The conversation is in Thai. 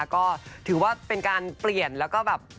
ก็ถือว่าเป็นการเปลี่ยนแล้วก็แบบ